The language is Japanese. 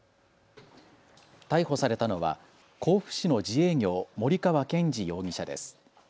逮捕されたのは甲府市の自営業森川賢治容疑者です。